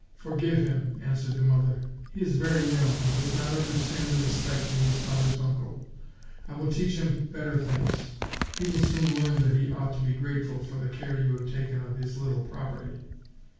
"Forgive him," answered the mother; "he is very young, and does not understand the respect due to his father's uncle. I will teach him better things; he will soon learn that he ought to be grateful for the care you have taken of his little property."